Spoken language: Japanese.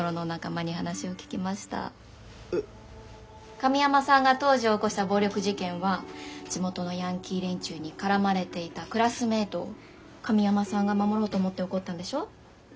神山さんが当時起こした暴力事件は地元のヤンキー連中に絡まれていたクラスメートを神山さんが守ろうと思って起こったんでしょ？